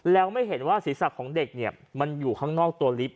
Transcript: แล้วไม่เห็นว่าศีรษะของเด็กเนี่ยมันอยู่ข้างนอกตัวลิฟต